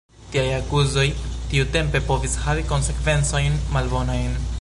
Tiaj akuzoj tiutempe povis havi konsekvencojn malbonajn.